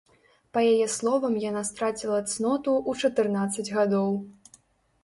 Па яе словам яна страціла цноту ў чатырнаццаць гадоў.